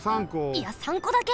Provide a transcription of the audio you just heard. いや３こだけ！？